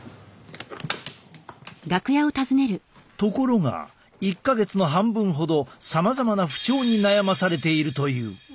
ところが１か月の半分ほどさまざまな不調に悩まされているという。